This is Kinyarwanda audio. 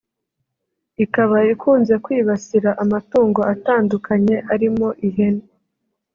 ikaba ikunze kwibasira amatungo atandukanye arimo ihene